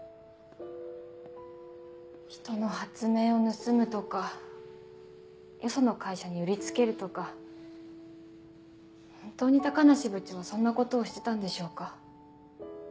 人の発明を盗むとかよその会社に売りつけるとかホントに高梨部長はそんなことをしてたんでしょうか。